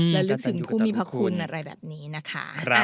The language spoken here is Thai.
และลึกถึงผู้มีพระคุณอะไรแบบนี้นะคะ